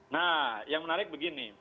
nah yang menarik begini